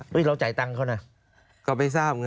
ไม่ใช่เขาทำฟรีนะ